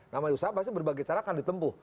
namanya usaha pasti berbagai cara akan ditempuh